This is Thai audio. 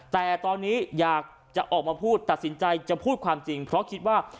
แต่ตอนนี้อยากจะออกมาพูดตัดสินใจจะพูดความจริงเพราะคิดว่า